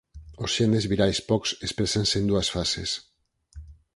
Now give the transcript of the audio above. Os xenes virais pox exprésanse en dúas fases.